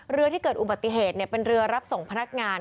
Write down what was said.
เรือที่เกิดอุบัติเหตุเป็นเรือรับส่งพนักงาน